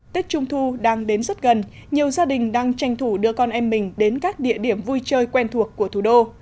tết trung thu đang đến rất gần nhiều gia đình đang tranh thủ đưa con em mình đến các địa điểm vui chơi quen thuộc của thủ đô